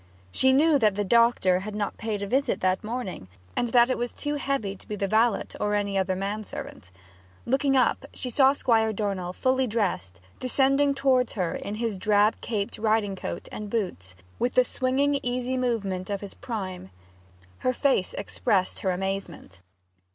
She knew that the doctor had not paid a visit that morning, and that it was too heavy to be the valet or any other man servant. Looking up, she saw Squire Dornell fully dressed, descending toward her in his drab caped riding coat and boots, with the swinging easy movement of his prime. Her face expressed her amazement.